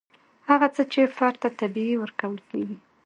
هغه څه چې فرد ته طبیعي ورکول کیږي.